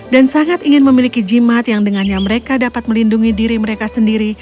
dan sangat ingin memiliki jimat yang dengannya mereka dapat melindungi diri mereka sendiri